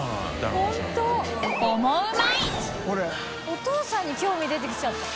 お父さんに興味出てきちゃった。